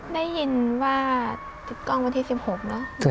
ได้ยินว่าติดกล้องวันที่๑๖เนอะ